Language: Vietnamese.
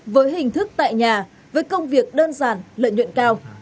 với hình thức tại nhà với công việc đơn giản lợi nhuận cao